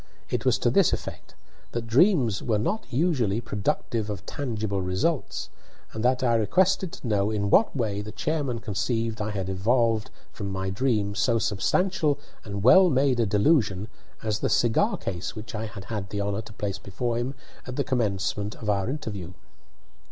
It was to this effect: that dreams were not usually productive of tangible results, and that I requested to know in what way the chairman conceived I had evolved from my dream so substantial and well made a delusion as the cigar case which I had had the honour to place before him at the commencement of our interview.